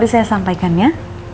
nanti saya sampaikan ya